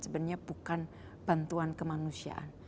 bukan bantuan kemanusiaan